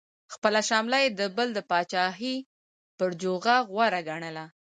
خپله شمله یې د بل د پاچاهۍ پر جوغه غوره ګڼله.